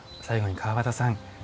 最後に川端さん